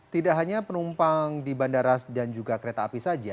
tidak hanya penumpang di bandara dan juga kereta api saja